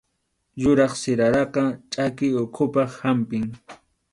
Yuraq siraraqa chʼaki uhupaq hampim